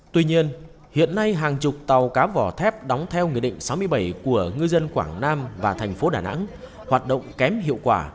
tuy nhiên hiện nay hàng chục tàu cá vỏ thép đóng theo nghị định sáu mươi bảy của ngư dân quảng nam và thành phố đà nẵng hoạt động kém hiệu quả